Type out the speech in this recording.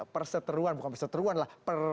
perseteruan bukan perseteruan lah